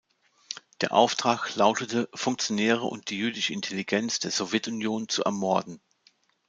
Der Auftrag lautete, Funktionäre und die „jüdische Intelligenz“ der Sowjetunion zu ermorden.